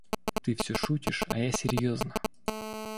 Ты все шутишь, а я серьезно.